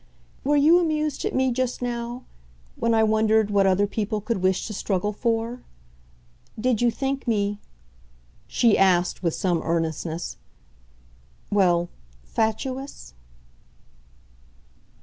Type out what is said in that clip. "Were you amused at me just now when I wondered what other people could wish to struggle for? Did you think me," she asked with some earnestness "well, fatuous?"